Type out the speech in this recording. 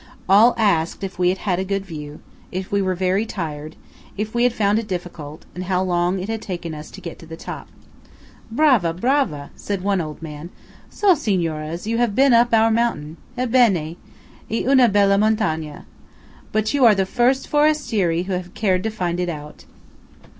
All asked if we had had a good view; if we were very tired; if we had found it difficult; and how long it had taken us to get to the top. "Brava! brava!" said one old man. "So, Signoras, you have been up our mountain? Ebbene! E una bella montagna! ... But you are the first forestieri who have cared to find it out."